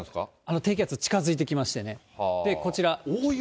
低気圧近づいてきましてね、こちら。